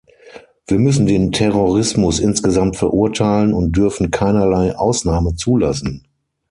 Wir müssen den Terrorismus insgesamt verurteilen und dürfen keinerlei Ausnahme zulassen.